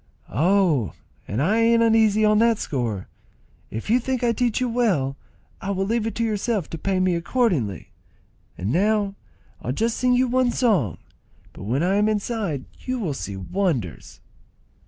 "Oh, I ain't uneasy on that score. If you think I teach you well, I will leave it to yourself to pay me accordingly. And now I'll just sing you one song, but when I am inside you will see wonders."